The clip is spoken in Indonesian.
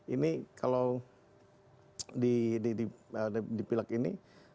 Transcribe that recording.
ini kalau di pilek ini